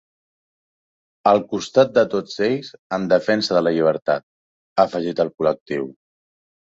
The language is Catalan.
“Al costat de tots ells, en defensa de la llibertat”, ha afegit el col·lectiu.